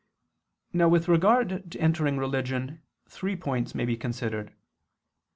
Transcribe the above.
Now with regard to entering religion three points may be considered.